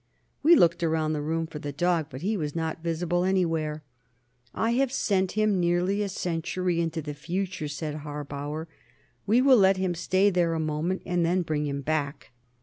We looked around the room for the dog, but he was not visible anywhere. "I have sent him nearly a century into the future," said Harbauer. "We will let him stay there a moment, and then bring him back."